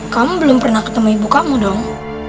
kamu belum pernah ketemu ibu kamu dong